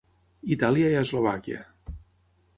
Itàlia i Eslovàquia.